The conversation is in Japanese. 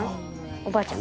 おばあちゃん？